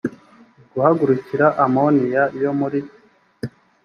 guhagurukira amonia yo muri